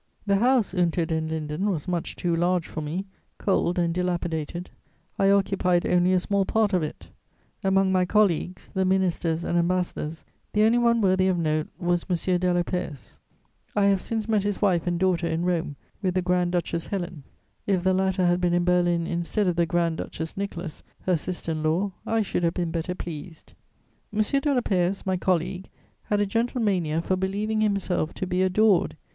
The house Unter den Linden was much too large for me, cold and dilapidated: I occupied only a small part of it. Among my colleagues, the ministers and ambassadors, the only one worthy of note was M. d'Alopeus. I have since met his wife and daughter in Rome with the Grand duchess Helen: if the latter had been in Berlin instead of the Grand duchess Nicholas, her sister in law, I should have been better pleased. M. d'Alopeus, my colleague, had a gentle mania for believing himself to be adored.